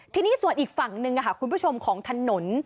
ทีนี้ส่วนอีกฝั่งหนึ่งคุณผู้ชมของถนน